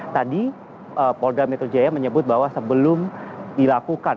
tadi polda metro jaya menyebut bahwa sebelum dilakukan